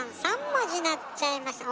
３文字なっちゃいました。